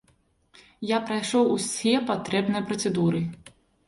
Я прайшоў усе патрэбныя працэдуры.